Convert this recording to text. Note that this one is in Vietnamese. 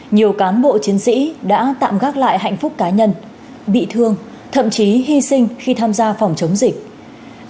nhiều cán bộ chiến sĩ đã tạm gác lại hạnh phúc cá nhân bị thương thậm chí hy sinh khi tham gia phòng chống dịch